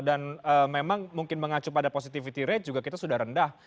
dan memang mungkin mengacu pada positivity rate juga kita sudah rendah